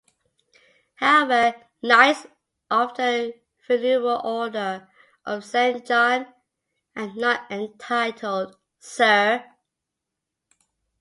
However, Knights of the Venerable Order of Saint John are not entitled "Sir".